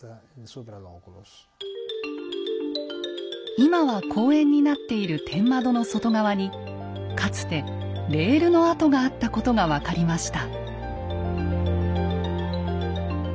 今は公園になっている天窓の外側にかつてレールの跡があったことが分かりました。